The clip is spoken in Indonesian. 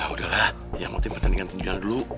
udah lah yang penting pertandingan tinjauan dulu